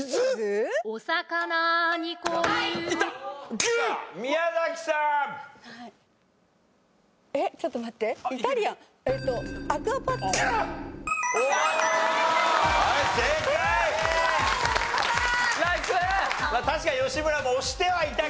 確かに吉村も押してはいたけどな今な。